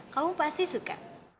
kamu pasti suka